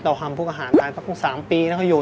เราทำพวกอาหารไทยพักคง๓ปีแล้วก็หยุด